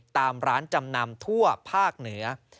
ตามร้านจำนำทั่วภาคเหนือ